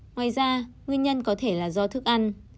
ngoài ra nguyên nhân có thể là do thức ăn